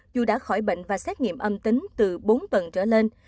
dù đã khỏi bệnh và xét nghiệm âm tính từ bốn tuần trở lên